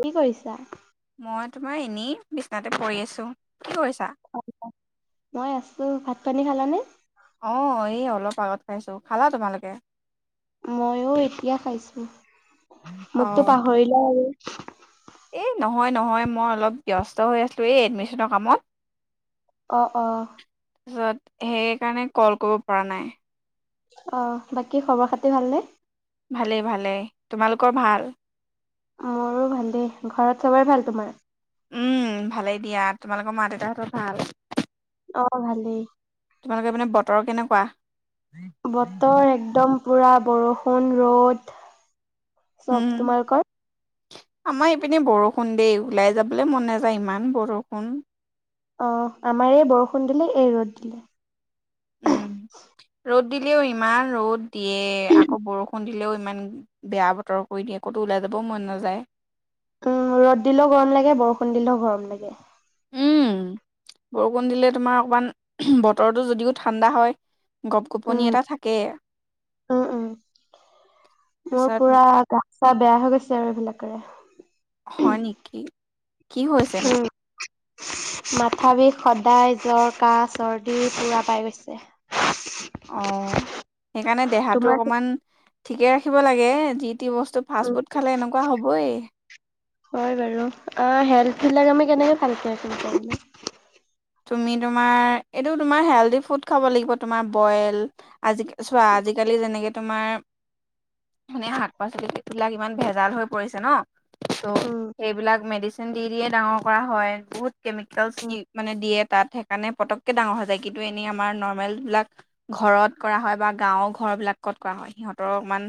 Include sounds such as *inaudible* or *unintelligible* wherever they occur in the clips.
কি কৰিছা মই তোমাৰ এনেই বিছনাতে পৰি আছো কি কৰিছা? মই আছো ভাত পানী খালা নে আঁহ এই অলপ আগত খাইছো খালা তোমালোকে মই ওঁএতিয়া খাইছোঁ মোকতো অ', পাহৰিলো আৰু এই নহয় নহয় মই অলপ ব্যস্ত হৈ আছোঁ এই এডমিচনৰ কামত অঁ অঁ তাৰপিছত সেইকাৰণে কল কৰিব পৰা নাই অঁ বাকী খবৰ খাতি ভালনে ভালেই ভালেই তোমালোকৰ ভাল মোৰো ভাল দেই ঘৰত চবেই ভাল তোমাৰ উম ভালেই দিয়া তোমালোকৰ মা দেউতাহঁতৰ ভাল অ', ভালেই। তোমালোকৰ পিনে মানে বতৰ কেনেকুৱা বাহ্ বতৰ একদম পুৰা বৰষুণ ৰ'দ চব উম, তোমাৰ লোকৰ আমাৰ ইপিনে বৰষুণ দেই ওলাই যাবলৈ মন নাযায় ইমান বৰষুণ আঁহ আমাৰ এই বৰষুণ দিলে এই ৰ'দ দিলে উম ৰ'দ দিলেও হিমান ৰ'দ। দিয়ে আকৌ বৰষু খুন দিলেও ইমান বেয়া বতৰ কৰি দিয়ে আক'তো ওলাই যাবও মন নাযায়। উম ৰ'দ দিলেও গৰম লাগে বৰষুণ দিলেও গৰম লাগে। উম বৰষুণ দিলে তোমাৰ অকমান বতৰটো যদিও ঠাণ্ডা হয় গপ গপনি উম, এটা থাকে উম-উম মোৰ তাৰপিছত পুৰা গা চা বেয়া হৈ গৈছে আৰু এইবিলাকেৰে। হয় নেকি? কি হৈছেনো? উম। মাথা বিষ সদায় জ্বৰ, কাহ, চৰ্দি পুৰা পাই গৈছে। অ সেইকাৰণে দেহাটো তোমাৰ অকমান ঠিকে ৰাখিব লাগে যি বস্তু উম, ফাষ্ট ফুড খালে এনেকুৱা হ'বই। সিলাক আমি কেনেকে ভালকে ৰাখিম *unintelligible* তুমি তোমাৰ এইটো তোমাৰ হেলডি ফুড খাব লাগিব তোমাৰ বইল আজি চোৱা আজিকালি যেনেকে তোমাৰ মানে শাক পাচলি বিলাক ইমান ভেজাল হৈ পৰিছে ন? ত উম সেইবিলাক মেডিচ দি দিয়ে ডাঙৰ কৰা হয়। বহুত কেমিকেলছ কি উম দিয়ে তাত সেইকাৰণে পতককে ডাঙৰ হয় জকটো এনেই আমাৰ নৰ্মেল বিলাক ঘৰত কৰা হয় বা গাঁৱৰ ঘৰ বিলাকত কৰা হয়। সিহঁতৰ অকমান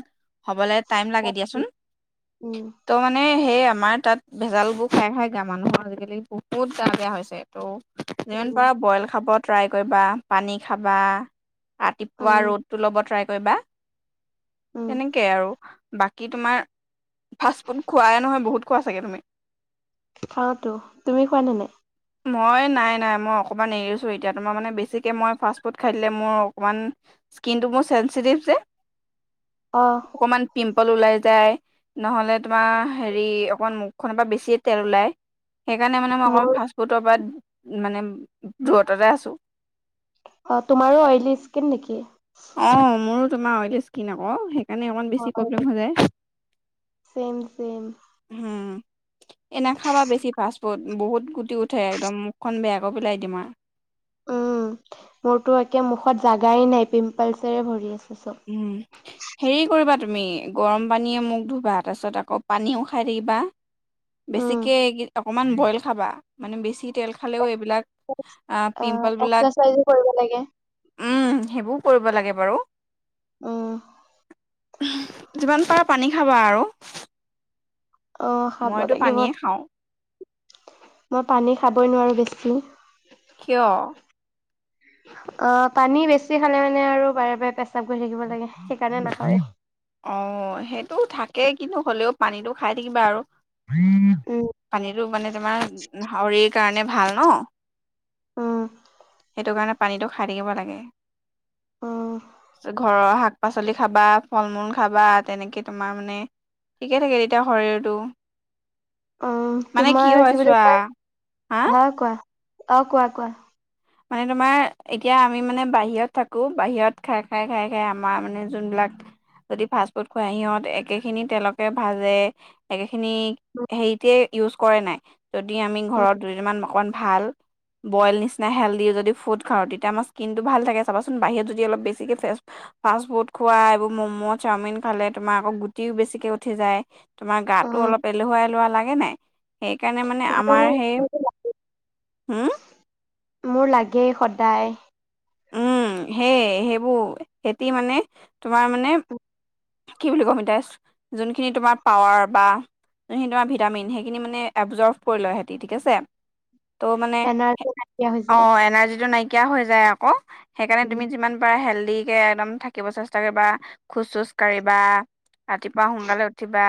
হ'বলৈ টাইম লাগে দিয়াচোন তো মানে সেই আমাৰ তাত ভেজাল বোৰ খাই খাই গা মানুহৰ আজিকালি বহুত গাৱ বেয়া হৈছে। তঃ যিমান উম পাৰা বইল খাবত ট্ৰাই কৰিবা পানী খাবা ৰাতিপুৱা উম ৰ'দটো ল'ব ট্ৰাই কৈ বা। উম এনেকেই আৰু। বাকী তোমাৰ ফাষ্ট ফুড খোৱাই নহয় বহুত খোৱা চাগৈ তুমি? খাওতো, তুমি খুৱাই নে নাই? মই নাই-নাই মই অকণমান এৰিছোঁ। এতিয়া তোমাৰ মানে বেছিকে মই ফাষ্ট ফুড খাই দিলে মোৰ অকণমান স্কিনটো মোৰ চেঞ্চিটিভ যে অ অকমান পিম্প পল ওলাই যায়, নহলে তোমাৰ হেৰি অকণ মুখখনৰ পৰা বেছিয়ে তেল ওলায়। সেইকাৰণে মানেই অ মোৰ ফাষ্ট *unintelligible* মানে দূৰততে আছো। অ তোমাৰো অইলী স্কিন নেকি? অ মোৰ তোমাৰ অইলী স্কিন আক সেইকাৰণে অমমান বেছি প্ৰব্লেম হৈ যায়। ছেম-ছেম এনে খাবা বেছি ফাষ্ট ফুড বহুত গুটি উঠে একদম মুখখন বেয়াকৈ পেলাই দিম আৰু উম মোৰতো একে মুখত জাগাই নাই পিম্পলছেৰে ভৰি আছে। চব। উম হেৰি কৰিবা তুমি গৰম পানীয়ে মোক ধুবা তাৰপিছত আকৌ পানী উ খাই থাকিবা। উম, বেছিকে অকমান বইল খাবা মানে বে তেল খালেও এইবিলাক আহ অ পিম্পল বিলাক অপ্না চাইজো কৰিব লাগে উম সেইবোৰও কৰিব লাগে বাৰু আহ যিমান পাৰা পানী খাবা আৰু অ খাব মইতো লাগিব পানীয়ে খাওঁ মই পানী খাবই নোৱাৰো বেছি হ্ল কিয় অ পানী বেছি খালে মানে আৰু বাৰে বাৰে পে অ সেইটোও থাকে একে কিন্তু হ'লেও পানীটো খাই থাকিবা আৰু উম পানীতো মানে তোমাৰ শাৱৰিক কাৰণে ভাল ন উম সেইটো কাৰণে পানীটো খাই থাকিব লাগে অ ঘৰৰ শাক পাচলি খাবা ফল মূল খাবা তেনেকে তোমাৰ মানে ঠিকে থাকে তেতিয়া শৰীৰটো অ মানে তোমাৰ হয় কি বুলি চোৱা কয় হা ভা কোৱা অ কোৱা কোৱা মানে তোমাৰ এতিয়া আমি মানে বাহিৰত থাকো বাহিৰত খাই খাই খাই খাই আমাৰ মানে যোনবিলাক যদি ফাষ্ট ফুড খুৱাই সিহঁত একে খিনি তেলকে ভাজেে খিনি হেৰিতে ইউজ কৰে নাই যদি আমি উম ঘৰত দুযমান মকন ভাল বইল নিচিনা হেল্ডি যদি ফুড খাওঁ তেতিয়া আমাৰ স্কিনটো ভাল থে চাবাচোন বাহিৰত যদি অলপ বেছিকে ফ ফাষ্ট ফুড খোৱা এইবোৰ ম'ম' চাওমিন খালে তোমাৰ আকৌ গুটিও বেছিকে উঠি যায় তোমাৰ গাটো উম অলপ এলেহুৱা এলেহুৱা লাগে নাই সেইকাৰণে মানে আৰু আমাৰ সেই হম মোৰ লাগেই সদায়। উম সে সেইবোৰ এতি মানে তোমাৰ মানে। কি বুলি কম এতিয়া যোনখিনি তোমাৰ পাৱাৰ বা যোনখিনি তোমাৰ ভিটামিন, সেইখিনি মানে এবজৰ্ভ কৰি লয়, সিহতি ঠিক আছে। ত' মানে এনাৰ্জি নাইকিয়া হৈ অ যায় এনাৰ্জিটো নাইকিয়া হৈ। যায় আকৌ। সেইকাৰণে উম তুমি যিমান পাৰ হেল্ডি। কে একদম থাকিব চেষ্টা কৰি বা খোজ চোজ। কাঢ়িবা ৰাতিপুৱা সোনকালে উঠিবা,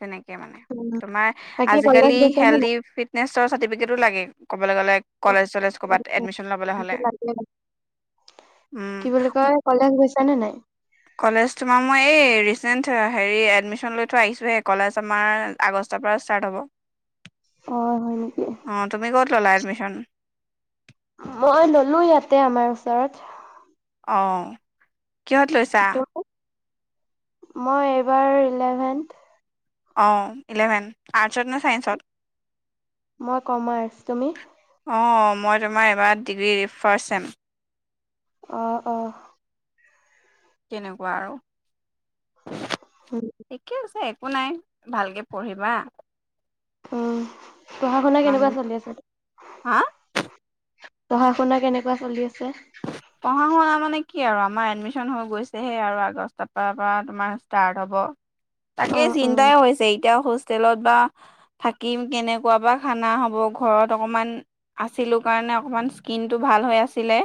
তেনেকে। মানে তোমাৰ বাকী কলেজ আজিকালি গৈছা নে হেল্ডি নাই ফিট। নে চৰ চাৰ্টিফিকেটো লাগে। *unintelligible* গলে কলেজ চলেজ কবাত এডমিশ্যন লবলে হলে, উম্ জানে নাই? কলেজ তোমাৰ, মই এই ৰিচেণ্ট হেৰি এডমিশন লৈ থোৱা আহিছোঁহে, কলেজ আমাৰ আগষ্টৰ পৰা ষ্টাৰ্ট হ'ব। অ হয় নেকি অ তুমি কত ললা এডমিচন? মই ললো ইয়াতে, আমাৰ ওচৰত। অঁ কিহঁত লৈছা? ত মই এইবাৰ ইলেভেন্। অ ইলেভেন, আৰ্টছত নে? চাইন্সত? মই কমাৰছ, তুমি? অঁ মই তোমাৰ এবাৰ ডিগ্ৰী ফাৰ্ষ্ট ছেম। আহ আহ। তেনেকুৱা আৰু। *unintelligible* উম ঠিকে আছে। একো নাই ভালকে পঢ়িবা। আহ। পঢ়া শুনা ইমান কেনেকুৱা চলি আছে? হা পঢ়া শুনা কেনেকুৱা চলি আছে? পঢ়া শুনা মানে কি আৰু আমাৰ এডমিশন হৈ গৈছেহে আৰু আগষ্ট পৰা পৰা তোমাৰ ষ্টাৰ্ট হ'ব। তাকেই অ', অ', চিন্তাই হৈছে এতিয়া খুজ। হোষ্টেলত বা থাকিম, কেনেকুৱা বা খানা হ'ব, ঘৰত অকণমান আছিলোঁ কাৰণে অকণমান স্কিনটো ভাল হৈ আছিলে।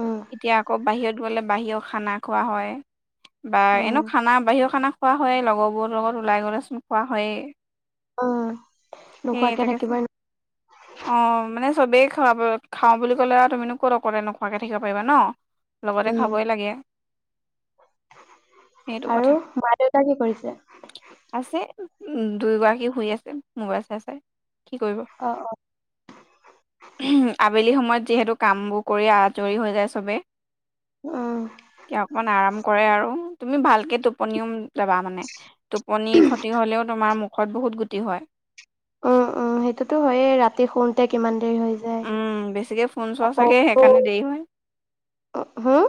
অ', এতিয়া আকৌ বাহিৰত গলে, বাহিৰত খানা খোৱা হয়। বা এনেও অ', খানা বাহিৰৰ খানা। খোৱা হয়ে, লগৰবোৰৰ লগত ওলাই গ'লে চোন খোৱা হয়েই। অ। নোখোৱাকে থাকিবৈ। অঁ, মানে চবেই খ খাওঁ বুলি ক'লে আৰু তুমিনো ক'ত আক নোখোৱাকে থাকিব পাৰিবা ন। লগতে উম, খাবই লাগে সেইটো আৰু কথা মা-দেউতা কি কৰিছে আছে উম দুয়োগৰাকী শুই আছে মোবাইল চাই চাই অহ অহ উম আবেলি সময়ত যিহেতু কাম বোৰ কৰি আজৰি হৈ যায় চবে উম, তেতিয়া অকনমান আৰাম কৰে আৰু তুমি ভালকে টোপনিও যাবা মানে টোপনি ক্ষতি হ'লেও তোমাৰ মুখত বহুত গুটি হয়। উম, সেইটোতো হয়েই ৰাতি শোওঁতে কিমান দেৰি হৈ যায়। উম বেছিকে ফোন চোৱা আকৌ চাগে সেইকাৰণে দেৰি হয়, হুম,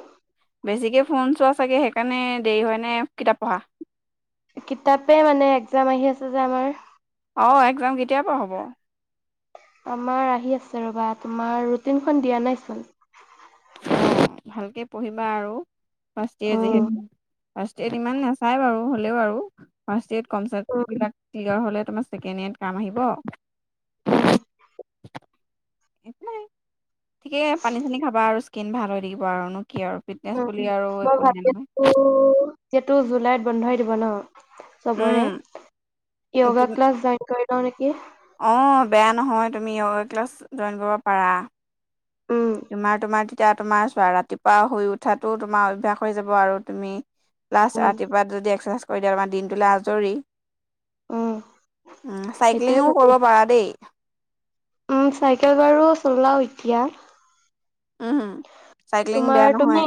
বেছিকে ফোন চোৱা চাগে সেই সেইকাৰণে দেৰি হয় নে কিতাপ পঢ়া কিতাপে মানে একজাম আহি আছে যে আমাৰ অহ একজাম কেতিয়াৰ পৰা হ'ব আমাৰ আহি আছে ৰবা তোমাৰ ৰুটিনখন দিয়া নাইচোন ভালকে পঢ়িবা আৰু ফষ্টইয়াৰ উম, যিহেতু ফাৰ্ষ্টইয়াৰ ইমান নাচায় বাৰু হ'লেও বাৰু ফাৰ্ষ্টইয়াৰ কম উম, *unintelligible* নিজৰ হ'লে তোমাৰ ছেকেণ্ড ইয়াৰত কাম আহিব উম *unintelligible* নাই ঠিকে পানী চানি খাবা আৰু ইচকিন ভাল হৈ থাকিব আৰুনো কি আৰু ফিটনেছ উম, বুলি আৰু একো নাই নহয় কিন্তু জুলাইত বন্ধ হৈ দিব নহ চবৰে উম ইঅগা ক্লাছ জইন কৰি হয় নেকি অহ বেয়া নহয় তুমি ইঅগা ক্লাছ জইন কৰিব পাৰা উম। এতিয়া তোমাৰ চোৱা ৰাতিপুৱা শুই উঠাতো তোমাৰ অভ্যাস হৈ যাব আৰু তুমি ক্লাছ উম, ৰাতিপুৱা যদি এক্সাৰচাইজ কৰি দিয়া তোমাৰ দিনটোলৈ আজৰি উম, উম সেইটোয়ে চাইক্লিঙো ভাবি কৰিব পাৰা দেই। উম চাইকেল বাৰু চলাও এতিয়া উম হম চাইক্লিং বেয়া নহয়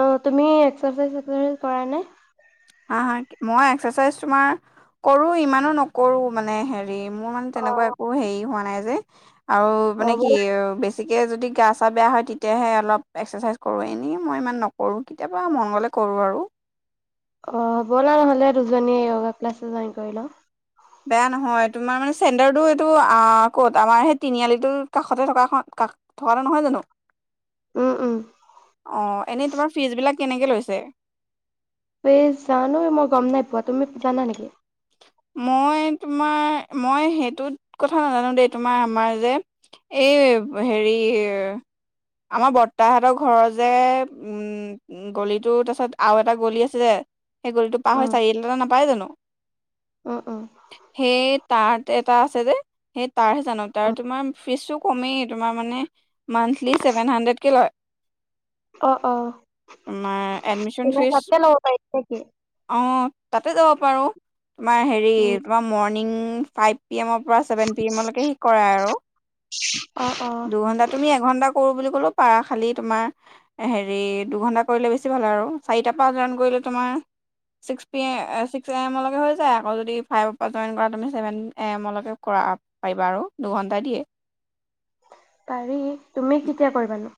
অহ তুমি এক্সাৰচাইজ চেকচাইজ কৰা নাই? হা হা মই এক্সাৰচাইজ তোমাৰ কৰো ইমানো নকৰো মানে হেৰি মোৰ মানে তেনেকুৱা অ', একো হেৰি হোৱা নাই নাই যে আৰু অ, মানে কি ব'লা বেছ বেছিকে যদি গা চা বেয়া হয় তেতিয়াহে অলপ এক্সাৰচাইজ কৰোঁ এনেই মই ইমান নক কৰো কেতিয়াবা মংগলে কৰো আৰু। অহ হ ব'লা নহ'লে দুজনীয়ে য়ুগা ক্লাছ জইন কৰি লওঁ? বেয়া নহয় তোমাৰ মানে চেণ্ডাৰটো এইটো ক'ত আমাৰ সেই তিনিআলিটোৰ কাষতে থকা কাষ থকা নহয় জানো? উম, উম, অ এনেই তোমাৰ ফিজ বিিলাক কেনেকে লৈছে? এই জানো মই গম নাই পোৱা তুমি জানা নেকি? মই তোমাৰ মই সেইটোত কথা নাজানো দেই তোমাৰ আমাৰ যে এই হেৰি আমাৰ বৰ্তাহতৰ ঘৰৰ যে গলিটো তাৰপিছত আৰু এটা গলি আছিল যে, সেই গলিটো পাৰ উম, হৈ চাৰি এটাটা নাপায় জানো? উম, উম, সেই তাত এটা আছে যে, হে তাৰ হে জানো, তাৰে উম, তোমাৰ ফিছ টো কমে, তোমাৰ মানে মন্থলী চেভেন হুন্দ্ৰিদ কে লৈ। অ-অ তোমাৰ এডমিশন ফিজ। নেকি? অঁ তাতে যাব পাৰো তোমাৰ হেৰি উম, তোমাৰ মৰ্ণিং ফাইভ পিএমৰ পৰা চেভেন পিয়েমৰ লৈকে সি কৰাই আৰু। অ', অ', দুঘণ্টা তুমি এক ঘণ্টা কৰোঁ বুলি হলেও পৰা খালী তোমাৰ এ হেৰী দুঘণ্টা কৰিলে বেছি ভাল আৰু। চাৰিটা পৰা জৈন কৰিলে তোমাৰ, ছিক্স পিয়ে আহ ছিক্স এ মৰ লৈকে হৈ আকৌ যদি ফাইভৰ পৰা জইন কৰা তুমি ছেভেন এ এমলৈকে কৰা পাৰিবা আৰু দুঘণ্টাই দিয়ে। পাৰি তুমি কেতিয়া কৰিবানো?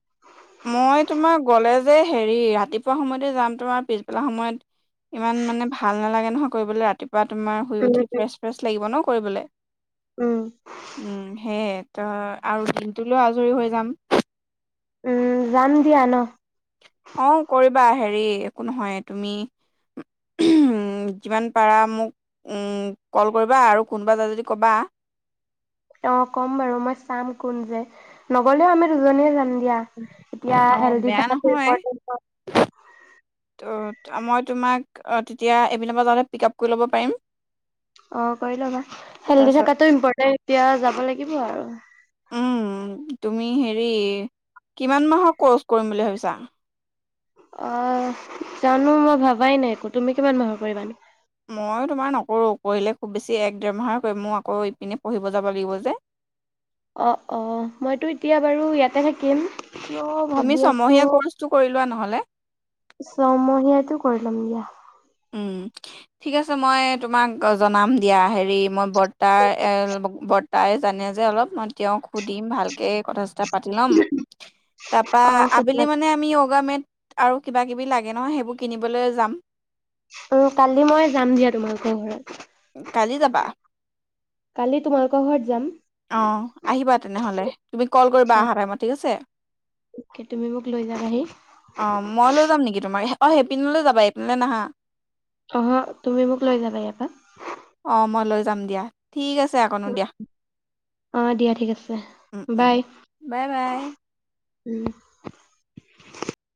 মই তোমাৰ গলে যে হেৰি ৰাতিপুৱা সময়তে যাম, তোমাৰ পিছবেলা সময়ত ইমান মানে ভাল নালাগে নহয় কৰিবলৈ ৰাতিপুৱা বা তোমাৰ শুই উম, উঠি ফ্ৰেছ-ফ্ৰেছ লাগিব ন? কৰিবলৈ উম, উম সেই। ত আৰু দিনটোলৈ আজৰি হৈ যাম। উম যাম দিয়া ন? অ কৰিবা হেৰি একো নহয় তুমি যিমান পাৰা মোক উ কল কৰিবা আৰু কোনোবা যা যদি কবা। অ ক'ম বাৰু মই চাম কোন যে নগলেও আমি দুজনীয়ে জাম। দিয়া। এতিয়া অ হেলধী বেয়া থাকা টো নহয় ইম্পৰ্টেণ্ট হৈ ত' মই তোমাক তেতিয়া এবিিল বজাততে পিক আপ কৰি ল'ব পাৰিম। অ কৰি ল'বা হেল্ড তাৰপিছত থকাটো ইম্পৰ্টে এতিয়া যাব লাগিব আৰু। উম, তুমি হেৰি কিমান মাহৰ কৰ্চ কৰিম বুলি ভাবিছা? অ জানো মই ভাবাই নাই একো তুমি কিমান মাহৰ কৰিানো? ময়ো তোমাৰ নকৰোঁ পঢ়িলে খুব বেছি এক ডেৰমাহাৰকৈ মোৰ আকৌ ইপিনে পঢ়িব যাব লাগিব যে। অ-অ মইতো এতিয়া বাৰু ইয়াতে থাকিম। কিয় তুমি ভাবি আছো ছমহীয়া কৰ্চটো কৰি লোৱা নহলে হে ছমহীয়াটো কৰি ল'ম দিয়া ঠিক আছে মই তোমাক জনাম দিয়া হেৰি মই বৰ্তাৰ বৰ্তাই জানে যে অলপ মই তেওঁক সুধিম ভালকে কথা পাতি ল'ম তাৰপা অ সুধিবা আবেলি মানে আমি গ মেদ আৰু কিবা কিবি লাগে নহয় সেইবোৰ কিনিবলৈ যাম অ কালি মই যাম দিয়া তোমালোকৰ ঘৰত কালি যাবা কালি তোমালোকৰ ঘৰত যাম আহ আহিবা তেনেহলে তুমি কল কৰিবা অ অহা টাইমত ঠিক আছে তুমি মোক লৈ যাবাহি অ মই লৈ যাম নেকি তোমাৰ অ সেইপিনলৈ যাবা এইপিননেলৈ নাহা অ তুমি মোক লৈ যাবা ইয়াৰ পৰাা অ' মই লৈ যাম দিয়া ঠিক আছে আকনো দিয়া অ দিয়া ঠিক আছে বাই। বাই বাই উম